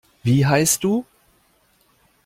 Wie heisst du?